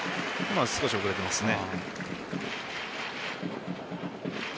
少し遅れていますね。